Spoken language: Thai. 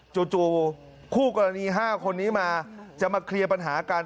จู่คู่กรณี๕คนนี้มาจะมาเคลียร์ปัญหากัน